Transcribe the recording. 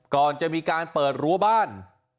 ก่อนจะมีการเปิดรั้วบ้าน